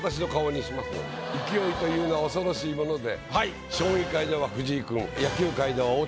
勢いというのは恐ろしいもので。